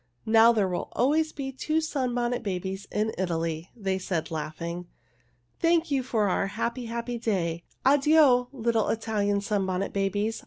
"Now there will always be two Sunbonnet Babies in Italy," they said, laughing. "Thank you for our happy, happy day. Addio, little Italian Sunbonnet Babies!